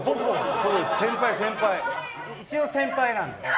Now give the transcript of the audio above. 一応先輩なんで。